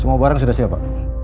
semua barang sudah siapa